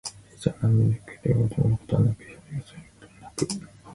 ページをめくる手は止まることはなく、表紙が閉じられることはなく